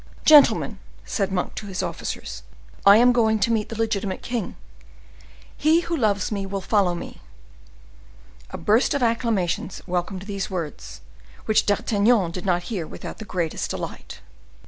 "Gentlemen," said Monk to his officers, "I am going to meet the legitimate king. He who loves me will follow me." A burst of acclamations welcomed these words, which D'Artagnan did not hear without the greatest delight.